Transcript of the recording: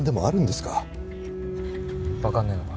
わかんねえのか？